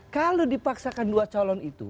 kalau dipaksakan dua calon itu